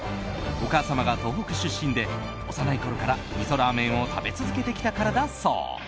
お母様が東北出身で幼いころからみそラーメンを食べ続けてきたからだそう。